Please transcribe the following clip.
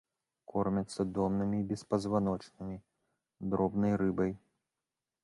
Кормяцца доннымі беспазваночнымі, дробнай рыбай.